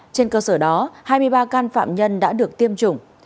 trên cơ sở đó hai mươi ba can phạm nhân đã được tiêm chủng